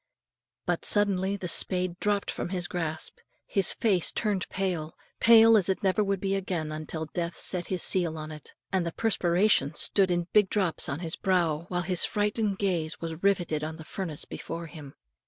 But suddenly the spade dropped from his grasp, his face turned pale, pale as it never would be again until death set his seal on it, and the perspiration stood in big drops on his brow, while his frightened gaze was riveted on the furnace before him.